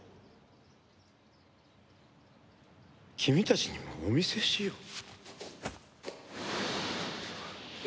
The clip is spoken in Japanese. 君たちにもお見せしよう。